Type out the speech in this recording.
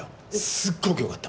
すっごく良かった。